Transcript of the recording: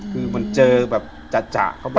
คือมันเจอแบบจะเข้าไป